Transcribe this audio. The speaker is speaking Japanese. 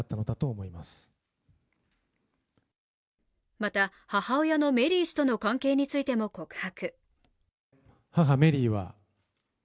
また、母親のメリー氏との関係についても告白。